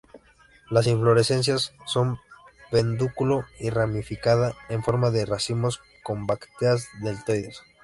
La inflorescencia con pedúnculo y ramificada, en forma de racimos, con brácteas deltoides.